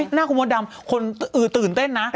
หน้าคุณมดดำคนตื่นเต้นนะ